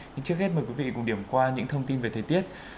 nhưng trước hết mời quý vị cùng điểm qua những thông tin về thời tiết